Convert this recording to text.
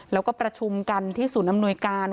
แล้วก็ประชุมกันที่ศูนย์อำนวยการ